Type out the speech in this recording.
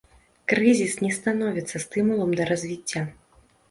Крызіс не становіцца стымулам да развіцця.